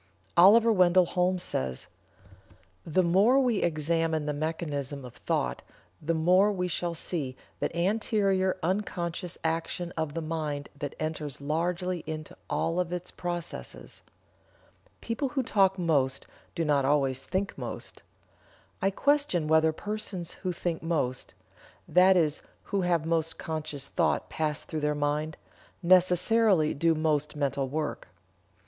Oliver Wendell Holmes says: "The more we examine the mechanism of thought the more we shall see that anterior unconscious action of the mind that enters largely into all of its processes. People who talk most do not always think most. I question whether persons who think most that is who have most conscious thought pass through their mind necessarily do most mental work.